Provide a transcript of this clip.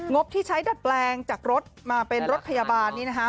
บที่ใช้ดัดแปลงจากรถมาเป็นรถพยาบาลนี้นะคะ